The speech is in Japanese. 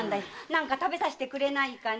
何か食べさせてくれないかね。